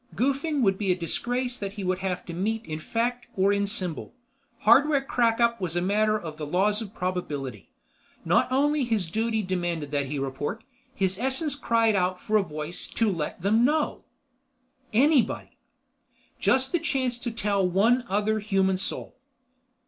Goofing would be a disgrace that he would have to meet in fact or in symbol. Hardware crackup was a matter of the laws of probability. Not only his duty demanded that he report, his essence cried out for a voice to let them know. Anybody. Just the chance to tell one other human soul.